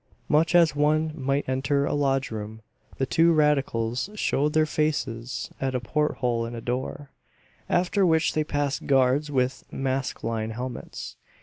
Much as one might enter a lodge room, the two radicals showed their faces at a port hole in a door, after which they passed guards with masklike helmets.